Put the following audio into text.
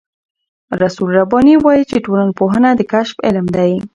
رسول رباني وايي چې ټولنپوهنه د کشف علم دی.